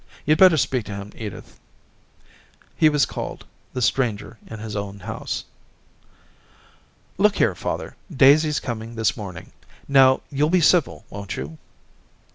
'You'd better speak to him, Edith.' He was called, the stranger in his own house. * Look here, father, Daisy's coming this morning. Now, you'll be civil, won't you?'